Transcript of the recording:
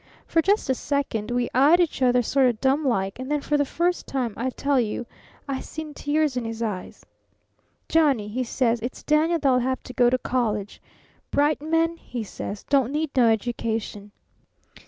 For just a second we eyed each other sort of dumb like, and then for the first time, I tell you, I seen tears in his eyes. "'Johnny,' he says, 'it's Daniel that'll have to go to college. Bright men,' he says, 'don't need no education.'"